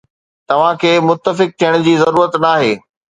توهان کي متفق ٿيڻ جي ضرورت ناهي.